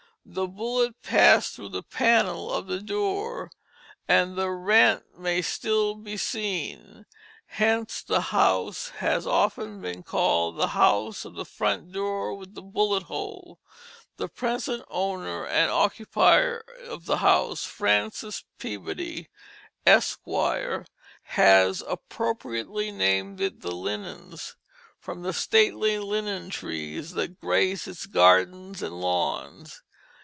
The bullet passed through the panel of the door, and the rent may still be seen. Hence the house has been often called The House of the Front Door with the Bullet Hole. The present owner and occupier of the house, Francis Peabody, Esq., has appropriately named it The Lindens, from the stately linden trees that grace its gardens and lawns.